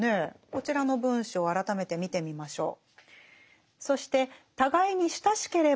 こちらの文章を改めて見てみましょう。